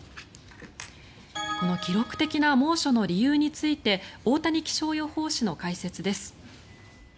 この記録的な猛暑の理由について太谷気象予報士の解説です。